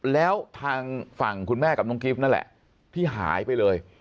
แล้วทางฝั่งคุณแม่กับน้องกิฟต์นั่นแหละที่หายไปเลย